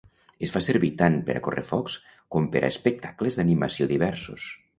Es fa servir tant per a correfocs com per a espectacles d'animació diversos.